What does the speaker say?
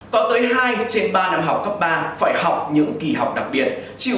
có tới hai trên ba năm học cấp ba phải học những kỳ học đặc biệt